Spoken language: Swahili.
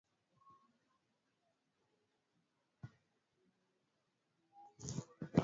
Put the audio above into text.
Kaanga kwa mafuta vitunguu